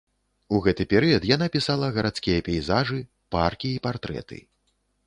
У гэты перыяд яна пісала гарадскія пейзажы, паркі і партрэты.